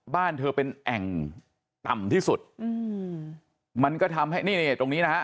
บ้านเธอเป็นแอ่งต่ำที่สุดอืมมันก็ทำให้นี่นี่ตรงนี้นะฮะ